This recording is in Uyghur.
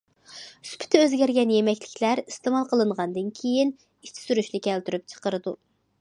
سۈپىتى ئۆزگەرگەن يېمەكلىكلەر ئىستېمال قىلىنغاندىن كېيىن، ئىچى سۈرۈشنى كەلتۈرۈپ چىقىرىدۇ.